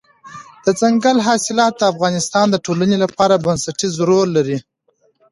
دځنګل حاصلات د افغانستان د ټولنې لپاره بنسټيز رول لري.